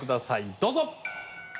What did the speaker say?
どうぞ！